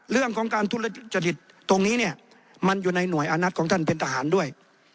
เรื่องของการทุจริตตรงนี้เนี่ยมันอยู่ในหน่วยอานัทของท่านเป็นทหารด้วย